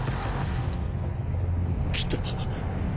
来た。